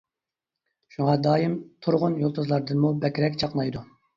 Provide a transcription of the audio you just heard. شۇڭا دائىم تۇرغۇن يۇلتۇزلاردىنمۇ بەكرەك چاقنايدۇ.